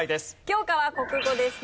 教科は国語です。